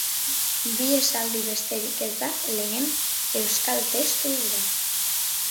Bi esaldi besterik ez da lehen euskal testu hura.